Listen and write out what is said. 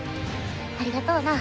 ありがとうな。